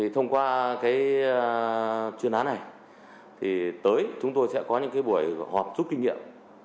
thông qua chuyên án này tới chúng tôi sẽ có những buổi họp giúp kinh nghiệm